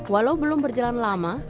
walau belum berjalan lama